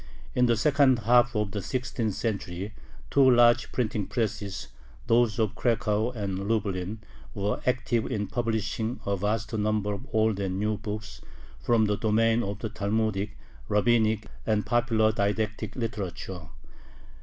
In the second half of the sixteenth century two large printing presses, those of Cracow and Lublin, were active in publishing a vast number of old and new books from the domain of Talmudic, Rabbinic, and popular didactic literature.